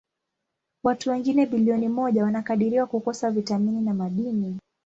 Watu wengine bilioni moja wanakadiriwa kukosa vitamini na madini.